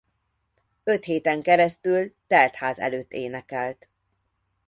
Öt héten keresztül teltház előtt énekelt.